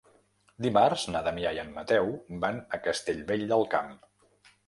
Dimarts na Damià i en Mateu van a Castellvell del Camp.